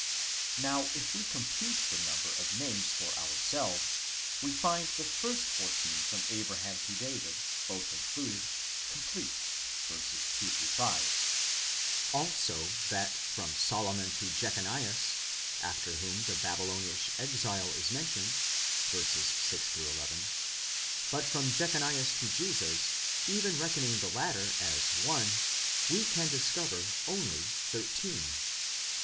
Now if we compute the number of names for ourselves, we find the first fourteen from Abraham to David, both included, complete {2 5); also that from Solomon to Jechonias, after whom the Babylonish exile is mentioned (6 11) ; but from Jechonias to Jesus, even reckoning the latter as one, we can discover only thirteen (12 16).